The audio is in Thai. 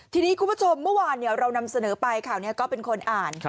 ทีนี้คุณผู้ชมเมื่อวานเรานำเสนอไปข่าวนี้ก็เป็นคนอ่าน